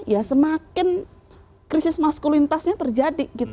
ya semakin krisis maskulinitasnya terjadi